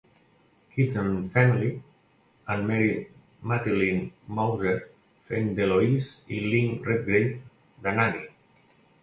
'Kids and Family', amb Mary Matilyn Mouser fent d'Eloise i Lynn Redgrave, de Nanny.